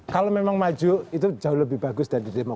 kalau memang maju itu jauh lebih bagus